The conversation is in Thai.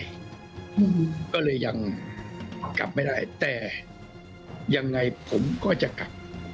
อืมก็เลยยังกลับไม่ได้แต่ยังไงผมก็จะกลับ